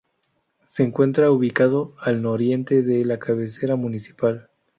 Se encuentra ubicado al nororiente de la cabecera municipal.